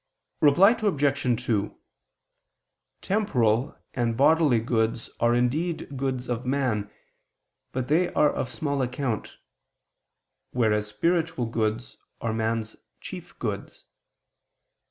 Reply Obj. 2: Temporal and bodily goods are indeed goods of man, but they are of small account: whereas spiritual goods are man's chief goods.